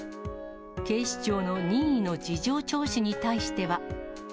警視庁の任意の事情聴取に対しては。